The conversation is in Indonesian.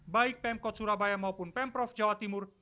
baik pemkot surabaya maupun pemprov jawa timur